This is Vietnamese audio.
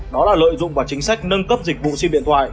đó là lợi dụng vào chính sách nâng cấp dịch vụ sim điện thoại